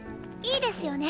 いいですよね？